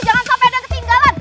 jangan sampai ada yang ketinggalan